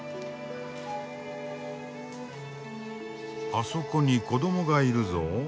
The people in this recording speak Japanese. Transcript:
あそこに子どもがいるぞ。